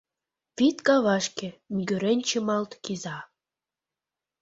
Вӱд кавашке мӱгырен чымалт кӱза.